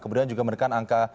kemudian juga menekan angka